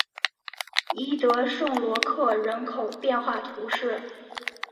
伊德圣罗克人口变化图示